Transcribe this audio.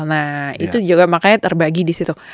nah itu juga makanya terbagi disitu